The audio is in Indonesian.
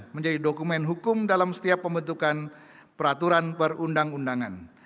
menjadi dokumen hukum dalam setiap pembentukan peraturan perundang undangan